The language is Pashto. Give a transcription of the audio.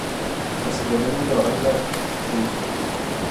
که سکرین وي نو رنګ نه پټیږي.